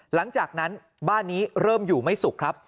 หลังจากนั้นบ้านนี้เริ่มอยู่ไม่สุขครับ